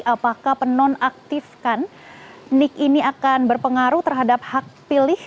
apakah penonaktifkan nik ini akan berpengaruh terhadap hak pilih